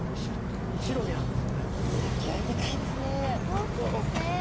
大きいですね。